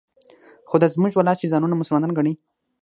خو دا زموږ والا چې ځانونه مسلمانان ګڼي.